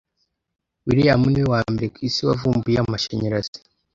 William niwe wambere kwisi wavumbuye amashanyarazi